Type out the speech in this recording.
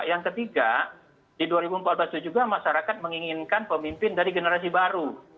yang ketiga di dua ribu empat belas itu juga masyarakat menginginkan pemimpin dari generasi baru